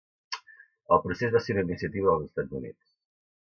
El procés va ser una iniciativa dels Estats Units.